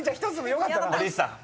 堀内さん